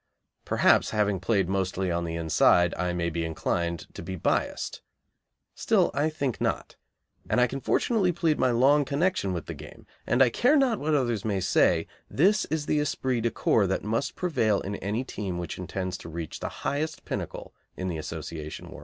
Perhaps, having played mostly on the inside, I may be inclined to be biassed. Still, I think not, and I can fortunately plead my long connection with the game, and I care not what others may say, this is the esprit de corps that must prevail in any team which intends to reach the highest pinnacle in the Association world.